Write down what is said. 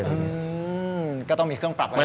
อืมมมันต้องมีเครื่องปรับไว้